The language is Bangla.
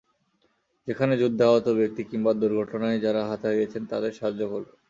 যেখানে যুদ্ধে আহত ব্যক্তি কিংবা দুর্ঘটনায় যাঁরা হাত হারিয়েছেন তাঁদের সাহায্য করবে।